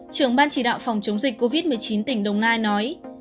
trưởng ban chỉ đạo phòng chống dịch covid một mươi chín tỉnh đồng nai nói